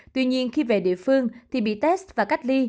tuy nhiên khi về địa phương thì bị test và cách ly